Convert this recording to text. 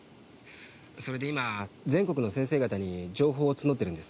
それで今全国の先生方に情報を募ってるんです。